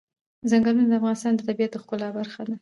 ځنګلونه د افغانستان د طبیعت د ښکلا برخه ده.